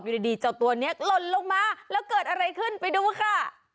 อยู่ดีเจ้าตัวนี้หล่นลงมาแล้วเกิดอะไรขึ้นไปดูค่ะ